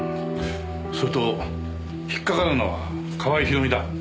それと引っかかるのは川合ひろみだ。